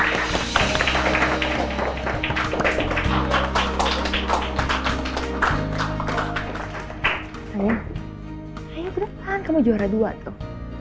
ayo ke depan kamu juara dua tuh